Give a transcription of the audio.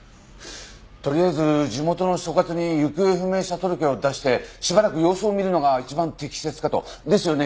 とりあえず地元の所轄に行方不明者届を出してしばらく様子を見るのが一番適切かと。ですよね？